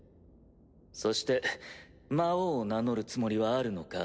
そして魔王を名乗るつもりはあるのか？